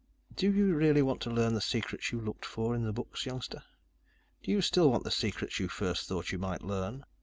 "Do you really want to learn the secrets you looked for in the books, youngster? Do you still want the secrets you first thought you might learn?"